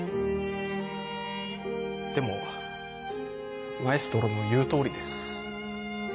でもマエストロの言う通りです。